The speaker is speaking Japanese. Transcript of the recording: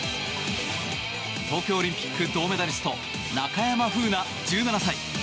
東京オリンピック銅メダリスト中山楓奈、１７歳。